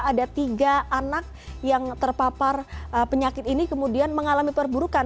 ada tiga anak yang terpapar penyakit ini kemudian mengalami perburukan